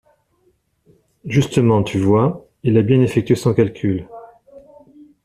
Justement, tu vois, il a bien effectué son calcul.